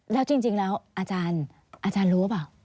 แล้วจริงแล้วอาจารย์รู้หรือเปล่า